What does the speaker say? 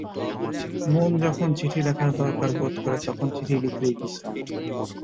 মন যখন চিঠি লেখার দরকার বোধ করে তখন চিঠি লিখলেই বিশ্রাম।